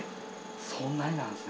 そんなになるんですね。